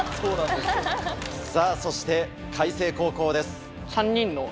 さぁそして開成高校です。